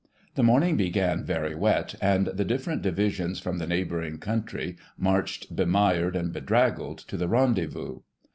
The morning began very wet, and the different divisions from the neighbouring country marched bemired and bedraggled to the rendezous.